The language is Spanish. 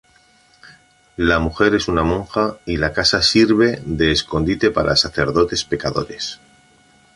La mujer es una monja y la casa sirve de escondite para sacerdotes pecadores.